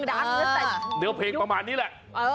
ดังแต่เดี๋ยวเพลงประมาณนี้แหละ